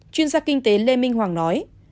chuyên gia kinh tế lê minh hoàng nói